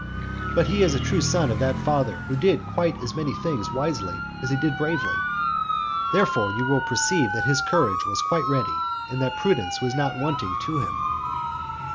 But he is a true son of that father who did quite as many things wisely as he did bravely. Therefore you perceive that his courage was quite ready, and that prudence was not wanting to him.